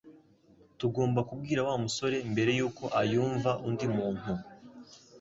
Tugomba kubwira Wa musore mbere yuko ayumva undi muntu